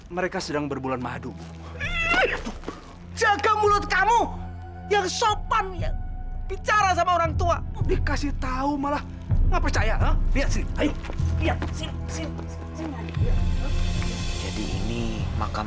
mereka berdua benar benar pasangan yang serasi ya kek